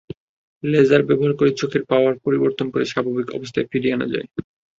Laser ব্যবহার করে চোখের পাওয়ার পরিবর্তন করে স্বাভাবিক অবস্থায় ফিরিয়ে আনা যায়।